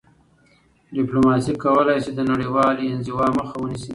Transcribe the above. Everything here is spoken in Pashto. ډیپلوماسي کولای سي د نړیوالي انزوا مخه ونیسي..